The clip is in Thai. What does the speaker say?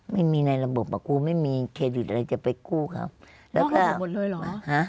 ไม่มีในระบบครูไม่มีเครดิตอะไรจะไปกู้ครับแล้วถ้านอกระบบหมดเลยเหรอฮะ